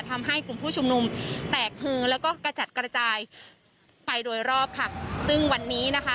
ทำให้กลุ่มผู้ชุมนุมแตกฮือแล้วก็กระจัดกระจายไปโดยรอบค่ะซึ่งวันนี้นะคะ